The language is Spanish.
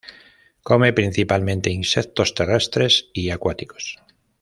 Come principalmente insectos terrestres y acuáticos.